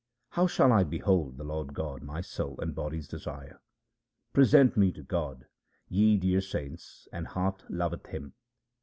How shall I behold the Lord God, my soul and body's desire ? Present me to God, ye dear saints, my heart loveth Him.